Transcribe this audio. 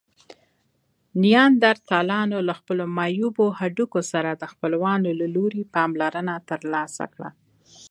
نیاندرتالانو له خپلو معیوبو هډوکو سره د خپلوانو له لوري پاملرنه ترلاسه کړه.